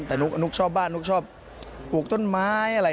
แต่นุกชอบบ้านนุกชอบปลูกต้นไม้อะไรอย่างนี้